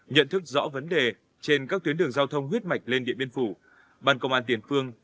nhận thức rõ vấn đề trên các tuyến đường giao thông huyết mạch lên địa biên phủ